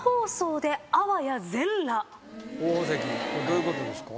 王鵬関どういうことですか？